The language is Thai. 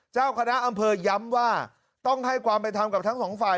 เจ้าคณะอำเภอย้ำว่าต้องให้ความเป็นธรรมกับทั้งสองฝ่าย